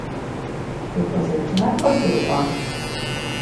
Укъызэджар къыбгурыӏуа?